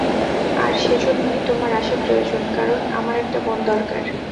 আর সেজন্যই তোমার আসা প্রয়োজন, কারণ আমার একটা বোন দরকার।